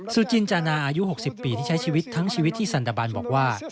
สุจินจานาอายุ๖๐ปีที่ใช้ชีวิตทั้งชีวิตที่สันตะบันบอกว่า